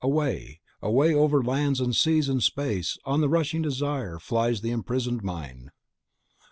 Away, away, over lands and seas and space on the rushing desire flies the disprisoned mind!